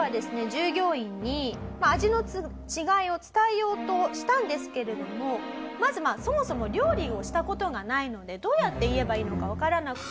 従業員に味の違いを伝えようとしたんですけれどもまずそもそも料理をした事がないのでどうやって言えばいいのかわからなくて。